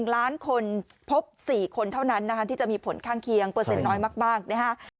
๑ล้านคนพบ๔คนเท่านั้นนะคะที่จะมีผลข้างเคียงเปอร์เซ็นต์น้อยมากนะฮะ